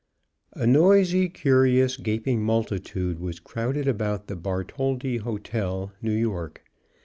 _ A noisy, curious, gaping multitude was crowded about the Bartholdi Hotel, New York.